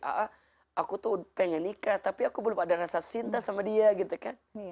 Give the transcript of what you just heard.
aa aku tuh pengen nikah tapi aku belum ada rasa cinta sama dia gitu kan